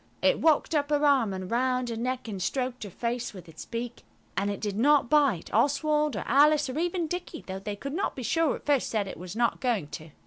It walked up her arm and round her neck, and stroked her face with its beak. And it did not bite. Oswald or Alice, or even Dicky, though they could not be sure at first that it was not going to.